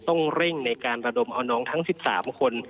ต้องเร่งในการระดมเอาน้องทั้ง๑๓คน